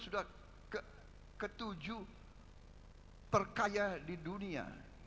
masalahnya adalah kekayaan kita ini terkaya di dunia